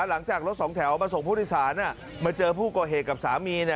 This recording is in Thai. หลังจากรถสองแถวมาส่งพุทธศาลมาเจอผู้โกเหกับสามี